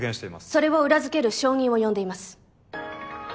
それを裏付ける証人を呼んでいます。